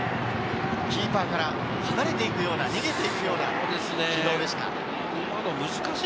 キーパーから離れていくような、逃げていくような軌道でした。